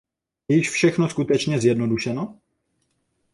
Je již všechno skutečně zjednodušeno?